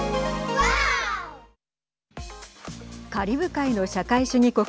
カリブ海の社会主義国